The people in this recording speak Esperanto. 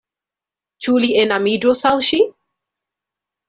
Ĉu li enamiĝus al ŝi?